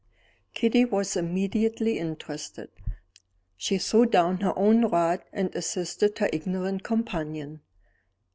Kitty was immediately interested. She threw down her own rod, and assisted her ignorant companion.